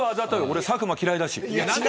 俺、佐久間嫌いだし。